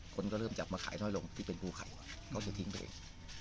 คนก็เริ่มจับมาขายน้อยลงที่เป็นภูเขาเขาจะทิ้งไปเอง